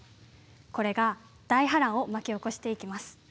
これが大波乱を巻き起こしていきます。